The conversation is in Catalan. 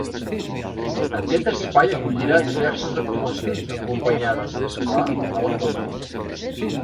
Aquest espai acollirà diverses actuacions, acompanyades, és clar, de la cobla.